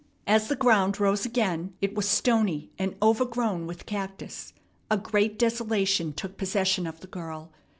As the ground rose again, it was stony and overgrown with cactus. A great desolation took possession of the girl.